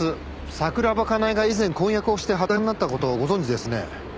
桜庭かなえが以前婚約をして破談になった事をご存じですね？